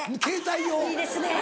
いいですねぇ。